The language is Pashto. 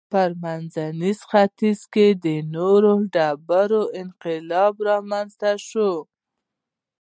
په منځني ختیځ کې د نوې ډبرې انقلاب رامنځته شو.